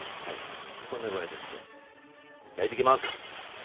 こんな具合ですね焼いてきます。